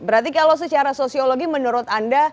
berarti kalau secara sosiologi menurut anda